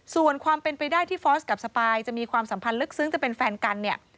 ส่วนความเป็นไปได้ที่ฟอสกับสปายจะมีความสัมพันธ์ลึกซึ้งจะเป็นแฟนกันเนี่ย